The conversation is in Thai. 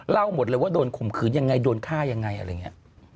หมดเลยว่าโดนข่มขืนยังไงโดนฆ่ายังไงอะไรอย่างนี้